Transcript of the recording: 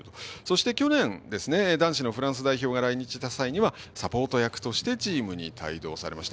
そして去年、男子のフランス代表が来日した際はサポート役としてチームに帯同されました。